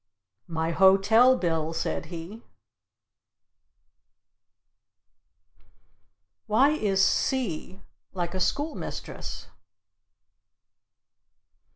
"My hotel bill!" said he. Why is C like a schoolmistress?